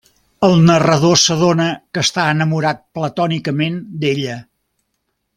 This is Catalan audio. El narrador s'adona que està enamorat platònicament d'ella.